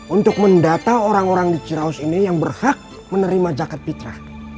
untuk mendata orang orang di ciraus ini yang berhak menerima zakat fitrah